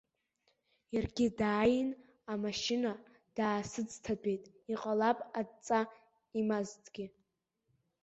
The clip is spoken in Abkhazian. Иаргьы дааин, амашьына даасыцҭатәеит, иҟалап адҵа имазҭгьы.